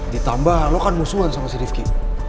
ditambah lo kan musuhan sama si rivki